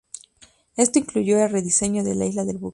Esto incluyó el rediseño de la isla del buque.